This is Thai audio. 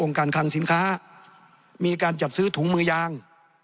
การคลังสินค้ามีการจัดซื้อถุงมือยาง